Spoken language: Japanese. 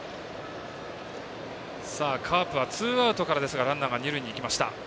カープはツーアウトからですがランナーが二塁に行きました。